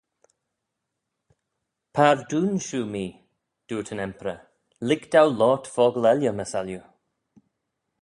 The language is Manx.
"Pardoon shiu mee. dooyrt yn Emperor ""lhig dou loayrt fockle elley my salliu""."